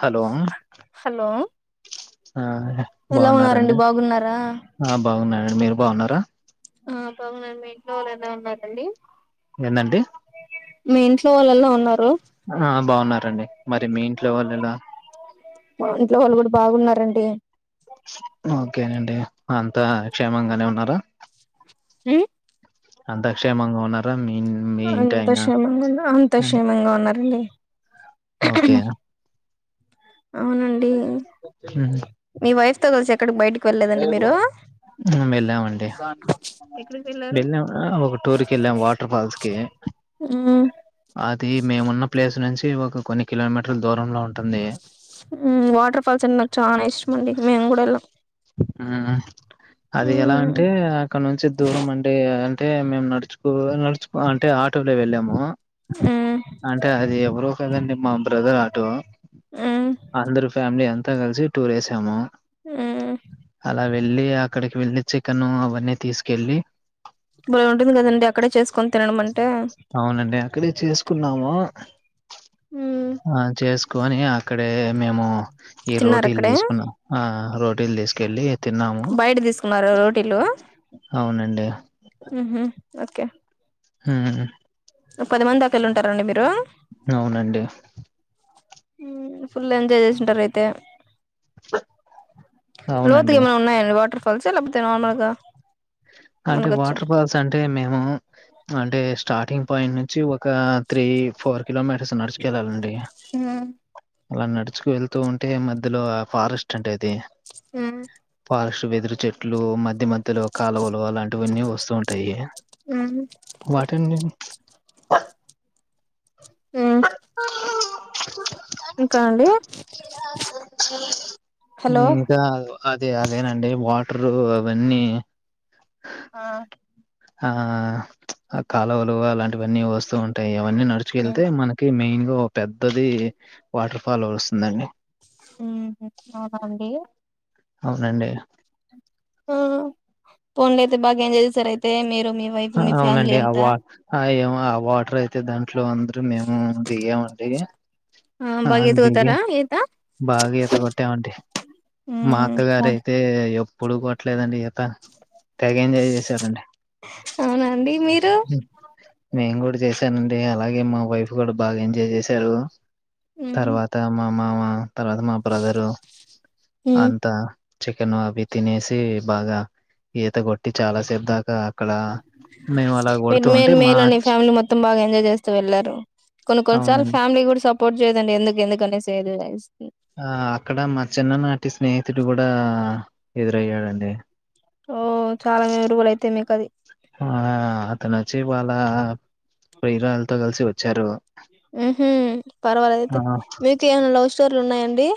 Hello hello ఆ ఎలా ఉన్నారండి బాగున్నారండి. బాగున్నారా ఆ బాగున్నానండి మీరు బావున్నారా ఆ బాగున్నాను మీ ఇంట్లో వాళ్ళు ఎలా ఉన్నారాండి. ఎందండి మీ ఇంట్లో వాళ్ళు ఎలా ఉన్నారు. ఆహా బాగున్నారండి. మరి మీ ఇంట్లో వాళ్ళు ఎలా మా ఇంట్లో వాళ్ళు కూడా బాగున్నారండి. ఓకేనండి అంతా క్షేమంగానే ఉన్నారా హ్మ్ అంత క్షేమంగా ఉన్నారా మీ మీ ఇంటి అంత అయనా క్షేమంగా ఉన్న అంత క్షేమంగా ఉన్నారండి ఓకే అవునండి హ్మ్ దోష వెళ్ళామండి. ఎక్కడికి వెళ్ళారు ఒక టూర్కి వెళ్ళాం వాటర్ ఫాల్స్ కి మ్మ్ అది మేమున్న ప్లేస్ నుంచి ఒక కొన్ని కిలోమీటర్ల దూరంలో ఉంటుంది హ్మ్ వాటర్ ఫాల్స్ నాకు చానా ఇష్టం మేము కూడా వెళ్ళాం. ఆహా అది ఎలా మ్మ్ అంటే అక్కడ నుంచి దూరం అండి. అంటే మేము నడుచుకో నడుచుకో అంటే ఆటోలో వెళ్ళాము మ్మ్ అంటే అది ఎవరు కదండి మా బ్రదర్ ఆటో మ్మ్ అందరు ఫ్యామిలీ అ కలిసి టూర్ వేసాము. ఆ అ వెళ్ళి అక్కడికి వెళ్ళి చికెన్ అవన్నీ తీసుకెళ్ళి భలే ఉంటుంది కదండి. అక్కడే చేసుకొని తినడం మంటే అవునండి అక్కడే చేసుకున్నాము మ్మ్ ఆ చేస్ కొని అక్కడే మేము ఈ తిన్నార రోటీలు అక్కడే తీసుకున్నా ఆ రోటీలు తీసుకెళ్లి బయట తీసుకున్నారా రోటీలు అండి ఉహూ ఓకే ఉహూ పది మంది దాకా వెళ్ళి ఉంటారా అండి మీరు అవునండి ఉమ్ ఫుల్ ఎంజాయ్ చేసింటారు అయితే లోతు అవునండి ఏమన్నా ఉన్నాయా అండి వాటర్ ఫల్స ఆ లేకపోతే నార్మల్గా అంటే మునగొచ్చా వాటర్ ఫాల్స్ అంటే మేము అంటే స్టార్టింగ్ పాయింట్ నుంచి చ్చవ ఒక త్రీ ఫోర్ కిలోమీటర్స్ నడుచుకెళ్ళాలండి ఉమ్ అలా నడుచుకు వెళ్తూ ఉంటే మధ్యలో ఫారెస్ట్ అంటే అది ఉమ్ ఫారెస్ట్ వెదురు చెట్లు మధ్య మధ్యలో కాలవ లు అలాంటివన్నీ వస్తూ ఉంటాయి ఆ వాటిని ఉమ్ ఇంకా అండి హలో ఇంకా అదే అదేనండి వాటరు అవన్నీ ఆ ఆ ప్చ్ కాలువలు అలాంటివన్నీ వస్తూ ఉంటాయి అవన్నీ నడుచుకెళ్తే మనకి మెయిన్ పెద్దది వాటర్ ఫాల్ వస్తుందండి ఉమ్ అవునా అండి అవునండి ఆ పోనిలే అయితే బాగా ఏంజాయ్ చేశారు అయితే మీరు. మీ వైఫ్ మీ ఫ్యామిలీ అవునండి ఆ అంతా వ ఆ ఏ వాటర్ అయి తంది ఇంట్లో అందరు మేము దిగామండి ఆ బాగా దిగి ఎత్తుకుతారా ఈత బాగా ఈత కొట్టామండి మా అత్తగారయితే ఎ పొడుకోవట్లేదండి ఇత తెగ ఎంజాయ్ చేశారండి అవునా అండి మీరు మేము గూడా చేస్ నండి అలాగే మా వైఫ్ కూడా బాగా ఎంజాయ్ చేశారు ఉమ్ తర్వాత మా మామ తర్వాత మా బ్రదరు ఉమ్ అంతా చికెన్ అవి తినేసి బాగా ఈత కొట్టి చాలా సేపు దాకా అక్కడ మేము అలా మీరు కొడుతూ మే ఉంటే మా మేలుని ఫ్యామిలీ మొత్తం బాగా ఎంజాయ్ చేస్తూ వెళ్లారు కొన్ని కొన్నిసార్లు అవునండి. ఫ్యామిలీ కూడా సపో సపోర్ట్ చేయదండి ఎందుకు ఎందుకునేసి ఏదో ఆ అక్కడ మా చిన్ననాటి స్నేహితుడు కూడా ఎదురయ్యాడండి. ఓ చాలా మేమరబుల్ అయితే మీకు అది ఆ! పోయిరా అంత కలిసి వచ్చారు. హ్మ్ హు ఆ! పర్వాలేదయితే మీకు ఏమన లవ్ స్టో టోర్లు ఉన్నాయండి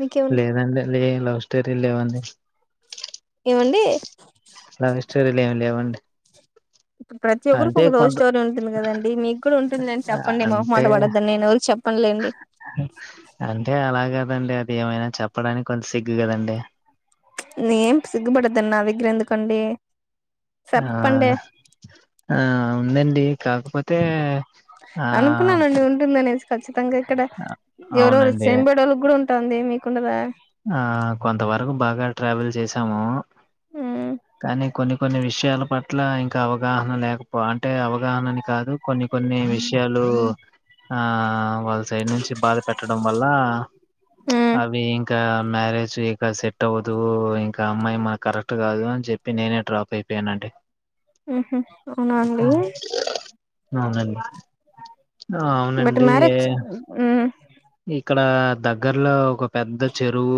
మీకేమ లేదండి లే లవ్ స్టోరీలు లేవండి ఏమండి లవ్ స్టోరీలు ఏం లేవండి ఇప్పుడు ప్రతి ఒక్కరికి అంటే ఒక లవ్ కొంత స్టోరీ ఉంటుంది కదండి మీకు కూడా ఉంటుంది అని చెప్పండి అంటే మోహమాట పడొద్దని నేను ఎరు చెప్ అంటే అలా కాదు కదండి అది ఏమైనా చెప్పడానికి కొంత సిగ్గు కదండి నేేం సిగ్గుపడద్దన్ నా దగ్గర ఎందుకండి ఆ చెప్పండి ఆ ఉందండి కాకపోతే ఆ అనుకున్నానండి ఉంటుందనేసి ఖచ్చితంగా ఇక్కడ అ అవునండి ఉంటుంది మీకుండదా ఆ కొంతవరకు బాగా ట్రావెల్ చేసాము ఉమ్ కానీ కొన్ని కొన్ని విషయాల పట్ల ఇంకా అవగాహన లేకపో అంటే అవగాహనని కాదు కొన్ని కొన్ని విషయాలు ఆ వాళ్లు సైడ్ నుంచి బాధ పెట్టడం వల్ల ఉమ్ అవీ ఇంకా మ్యారేజ్ ఇక సెట్ అవ్వదు ఇంకా అమ్మాయి మన కరెక్ట్ కాదు అని చెప్పి నేనే డ్రాప్ అయిపోయనండి హ్మ్ హు అవునా అండి అవునండి ఆ, బట్ అవునండి మ్యారేజ్ ఏ- చే హ్మ్ ఇక్కడ దగ్గర్లో ఒక పెద్ద చెరువు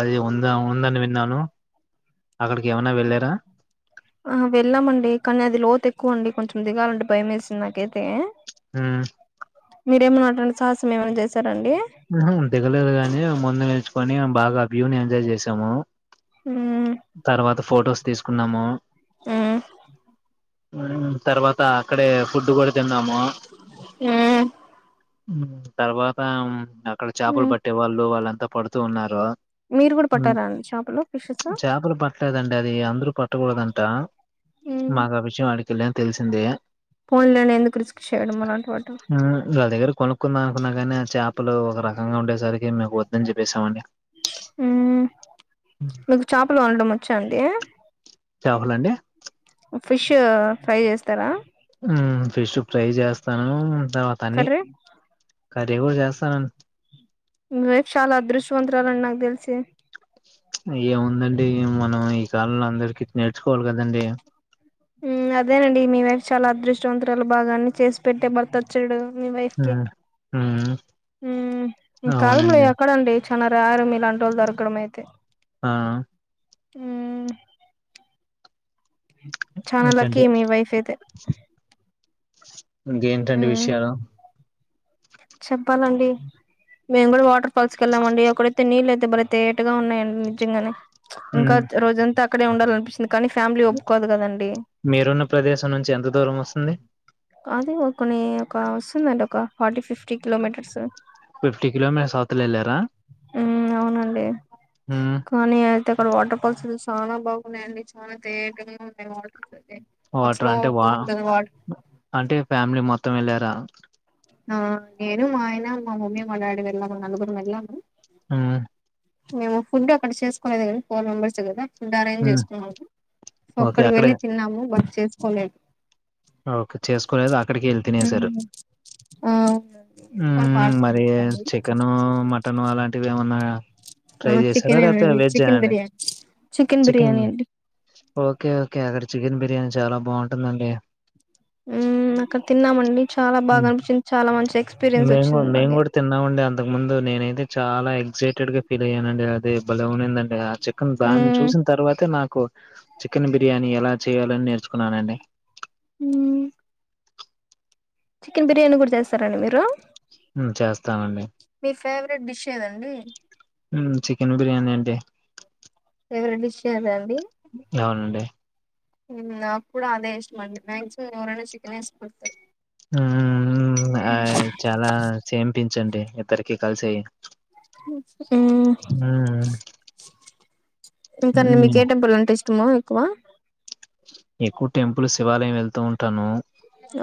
అది ఉందా ఉందని విన్నాను అక్కడికి ఏమన్నా వెళ్ళారా ఆ వెళ్ళామండి కానీ అది లోతు ఎక్కువ అండి కొంచెం దిగాలండి భయం వేసింది నాకేతే ఆ ఉమ్ మీరేం రెండు సాలు మేమేం చెస్ హ్మ్ హు దిగలేదు గాని మొన్న తెచ్చుకొని బాగా వ్యూ నీ ఎంజాయ్ జెసాము ఉమ్ తర్వాత ఫోటోస్ తీసుకున్నాము ఉమ్ మ్మ్ తర్వాత అక్కడే ఫుడ్ కూడా తిన్నాము మ్మ్ తర్వాత ము అక్కడ చాపలు ఉమ్ పట్టే వాళ్ళు వాళ్ళంత త పడుతూ ఉన్నారూ మీరు కూడా పట్టారా అండి చాపలు ఫిషెస్ చేపలు పట్టలేదండి అది అందరూ పట్టకూడదంట మాకు ఆ విషయం ఆడికెళ్లాక తెలిసిందే ఫోన్లోనే ఎందుకు రిస్క్ చేయడం అలాంటి వాటి హ్మ్ వల దగ్గర కొనుకున్నామకున్న కానీ ఆ చాప్ ఒక రకంగా ఉండేసరికి మకు వద్దని చెప్పేసామండి మ్మ్ ఉమ్ మీకు చాపలు వండడం వచ్చ అండి చాపలండి ఫిష్ ఫ్రై చేస్తారా మ్మ్ ఫిష్ ఫ్రై చేస్తానూ త తన్ని కర్రీ కర్రి కూడా జెస్తానండి మీ వైఫ్ చాలా అదృష్టవంతురాలండి నాకు తెలిసి ఏముందండి మనం ఈ కాలంలో అందరికి నేర్చుకోవలి కదండి మ్మ్ అద్ అదేనండి మీ వైఫ్ చాల అదృష్టవన్త్ వంటలు భాగా అన్ని చేసి పెట్టే భర్తొచ్చాడు మీ వైఫ్కిి మ్మ్ మ్మ్ ఇంకాాలముడి అవునండి అక్కడ అండి చా రారు ఇలా అంటి వాళ్ళు దొరకడం అయితే ఆ మ్మ్ చనా లక్కీ ఇంకంటే మీ వైఫ్ అయితే ఇంకేంటండి ఉమ్ విషయాలు చెప్పాలండి మేము కూడా వాటర్ ఫాల్స్క్ వెళ్ళాం అండి అక్కడైతే నీళ్ళు [unintelligible] ఇ బల తేటగా ఉన్నాయండి నిజంగానే ఇంకా మ్మ్ రోజంతా అక్కడే ఉండాలనిపిస్తుింది కానీ ఫ్యామిలీ ఒప్పుకోదు కదండి మీరున్న ప్రదేశం నుంచి ఎంత దూరం వస్తుంది అదే కొన్ని ఒక వస్తుందండి ఒక forty fifty kilometres fifty kilometre అవుతలేద్ లే ఉ అవునండి మ్మ్ కోనీ యత్ ఇక్కడ వాటర్ ఫాల్స్ చానా బాగున్నాయండి చాలా తేటగా ఉన్నాయి వాటర్ అయితే ఆ వాటర్ ఫ్లో అంటే అవుతూ వా ఉంటది వాటర్ అంటే ఫ్యామిలీ మొత్ మొత్తం మే లేరా ఆ నేను మా ఆయన మా మమ్మీ మా డాడీ వెళ్ళాము నలుగురం వెళ్ళాము ఉ మేము ఫుడ్ అక్కడ చేసుకునేది గదా ఫోర్ మెంబర్స్ గదా ఫుడ్ అరేంజ్ మ్మ్ చేసుకున్నాము సో ఓకే అక్కడికి అక్కడే వెళ్ళి తిన్నాము బస్ చేసుకోలేద్ ఓకే చేసుకోలేదు అక్కడికే వెళ్ళి ఉమ్ తినేసారు ఆ అవునండి. ఉ ఎత్తుకొని పార్సల్ మరి ఏ తెచ్చుకొని చికెను మటన్ అలాంటివి ఏం ఉన్నాయా ఆ ట్రై చేశారా చికెన్ లేకపోతే ఏనండి వెజ్ చికెన్ అండి బిర్యానీ చికెన్ బిర్యానీ అండి okay okay other chicken biryani చాలా బాగుంటుందండి ఉ అక్కడ తిన్నామండి చాలా బాగా అనిపించింది చాలా మంచి ఎక్స్పీరియన్స్ మేము వచ్చింది మేము మాగే కూడా తిన్నామండి అంతకు ముందు నేనైతే చాలా ఎక్సైటెడ్ గా ఫీల్ అయ్యానండి అది బలే ఉండింది అండే చికన్ దాన్ని మ్మ్ చూసిన తర్వాతే నాకు కోన్ చికెన్ బిర్యానీ ఎలా చేయాలని నేర్చుకున్నానండి ఉ చికెన్ బిర్యానీ గూడ చేస్తారండి మీరు ఉ చేస్తానండి మీ ఫేవరెట్ డిష్ ఏదండి ఉ చికెన్ బిర్యానీ అంటే ఫేవరెట్ డిష్ ఏదండి నవునండి నాకు కూడా అదే ఇష్టమండి మ్యాక్సి ఏవరన్న చికెన్ ఏస్ కుడుతే అ ఆ చాలా చెంపిన్ చండి ఇద్దరికి కలిసి ఉ హ్మ్. ఇంకా మీకు హ్మ్. ఏ టెంపుల్ అంటే ఇష్టమో కువా ఎక్కువ టెంపుల్ శివాలయం వెళ్తూ ఉంటాను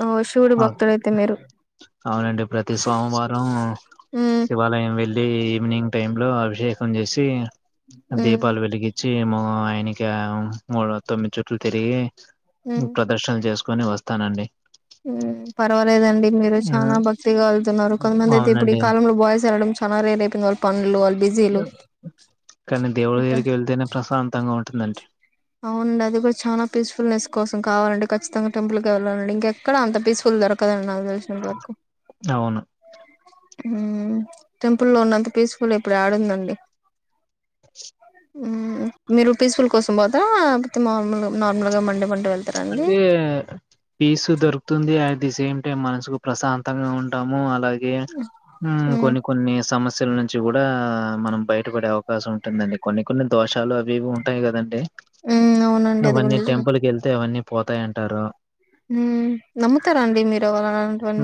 ఓ శివుడు అక్ భక్తుడయితే మీరు అవునండి ప్రతి సోమవారం మ్మ్ శివాలయం వెళ్ళి ఈవినింగ్ టైం లో అభిషేకం చేసి మ్మ్ దీపాలు వెలిగిచ్చి ఏమో ఆయనక మూడు తొమ్మిది చెప్ చుట్టూ తిరిగే నువ్ ప్రదర్శనలు జేస్ కొని వస్తానండి ఉ పర్వాలేదండి మీరు చానా భక్తిగా వెళ్తున్నారు కొంతమంది అయితే ఇప్పుడు ఈ అవునండి కాలంలో బాయ్స్ వెళ్డం చాలా రేర్ అయిపోంది గా పండ్లు అల్ అ కానీ దేవుళ ఇట్టా దగరికి వెళ్తేనే ప్రశాంతంగా ఉంటుందండి అవునండి అది కూడా చాలా పీస్ఫుల్నెస్ కోసం కావాలండి కచ్చితంగా టెంపుల్కి వెళ్ళాలండి ఇంకెక్కడ అంత పీస్ఫుల్ దొరకదండి నా తెలిషినంత వర్కు అవును ఊ టెంపుల్ లో ఉన్నంత పీస్ఫుల్ ఇప్పుడు ఆడుందండి స్ [unintelligible] ఊ మీరు పీస్ఫుల్ కోసం పోతా లేపోతే నార్మల్ నార్మల్ గా మండే మ అంటే పీసు దొరుకుతుంది అ ది సేమ్ టైమ్ మనసుకు ప్రశాంతంగా ఉంటాము అలా గె ఊ మ్మ్ కొన్ని కొన్ని సమస్ సెల్ నుంచి కూడా మనం బయటపడే అవకాశం ఉంటుందండి కొన్ని కొన్ని దోష లు అవి ఇవి ఉంటాయి కదండి మ్మ్ అవునండి అది కూడా అవన్నీ నిజమే టెంపుల్ కెళ్ అన్నీ పోతాయంటారు మ్మ్ నమ్ముతారా అండి మీరు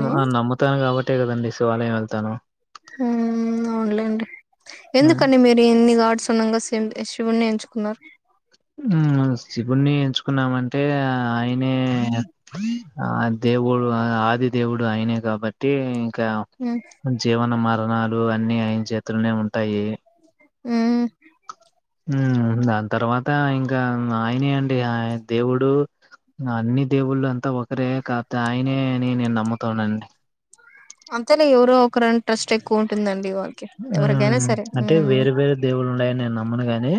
ఉ ఆ నమ్మతాను కాబట్టే కదండి శివాలయం వెళ్తాను ఊ అవునులేండి ఎందుకండి మీరు ఇన్ని వాడ్ సున్నంగా శివ్ శివుణ్ని ఎయించుకున్నారు ఊ శివునే ఎంచుకున్నామంటే ఆయనే ఆ దేవుడు ఆది దేవుడు అయినే కాబట్టి క మ్మ్ జీవన మరణాలు లు అన్ని అయన చేతులోనే ఉంటాయి ఊ ఊ దాని తర్వాత ఇంకా ఆయనే అండి ఆ దేవుడు అన్ని దేవుళ్ళు అం త ఒకరే కాతే ఆయనే అని నేను నమ్ముతానండి అంతేనే ఎవరో ఒకరుంట్రెస్ట్ ఎక్కువ ఉంటుందండి ఇవ ఆ అంటే వేరే వేరే దేవుళ్ళు ఉండాయన్ నేను నమ్మను గాని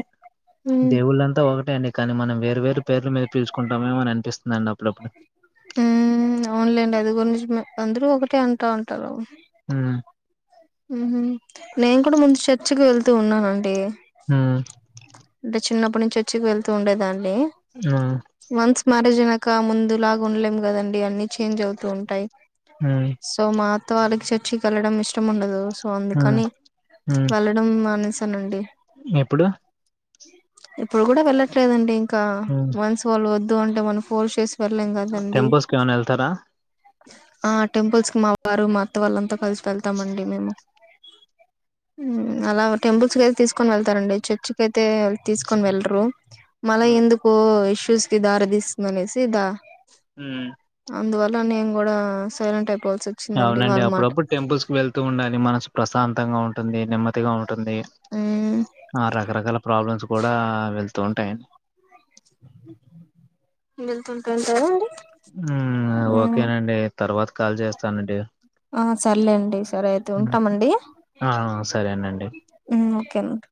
ఉమ్ దేవుళ్ళంతా ఒక టే అండి కానీ మనం వేరు వేరు పేర్ల మీద పిలుచుకుంటమెమో అని అనిపిస్తుంది అండి అప్పుడప్పుడు ఊ అవునులేండి అది గూడ నిజమే అందరూ ఒకటే అంటా ఉంటారు ఉ నేన్ కూడా ముంద చె [unintelligible] వెళ్తూ ఉన్నానండి మ్మ్ అంటే చిన్నప్పటి నుంచి చేర్చికి వెళ్తూ ఉండేదాన్ని హ్మ్ వన్స్ మ్యారేజ్ అయ్యినక్ ఇంకా ముందు లాగా ఉండలేం కదండి అన్ని చేంజ్ అవుతూ ఉంటాయి హ్మ్ సో మాతో వాళ్ళకి చేర్చి కి వెళ్ళడం ఇష్ట ఇష్టము ఉండదు ఉంది హ్మ్ కాని హ్మ్. వెళ్ళడం మన అనండి ఎప్పుడు ఇప్పుడు కూడా వెళ్ళట్లేదండి హ్మ్. వన్స్ వాళ్ళు వద్ [unintelligible] అంటే మన ఫోర్ చేస్ [unintelligible] కదండి టెంపుల్స్‌కి ఏమైనా ఎళ్తారా? టెపుల్స్ మా వారు మా అత్త వాళ్లంతా కలిసు వెళ్తామండి మేము అలా టెంపుల్స్ అయితే తీసుకుని వెళ్తారండి చర్చి [unintelligible] తీసుకని వెళ్లరు మళ ఎందుకు చూస్కి [unintelligible] తీస్తుందనేసి ఇదా మ్మ్ అందువల్ల నేను కూడా సైలెంట్ అయిపో అవునండి అప్పుడప్పుడు టెంపుల్స్ కి వెళ్తూ ఉండాలి మనసు ప్రశాంతంగా ఉంటుంది నెమ్మదిగా ఉంటుం ఉంటుంది మ్మ్ ఆ రకరకాల ప్రాబ్లమ్స్ కూడా వెళ్తు తూంటాయని వెళ్తుంటారా [unintelligible] ఓకేనండి తర్వాత కాలు చేస్తానండి ఆ సరలే అండి సరే అయితే హ్మ్. ఉంటామండి ఆ! సరేనండి. ఓకేనండి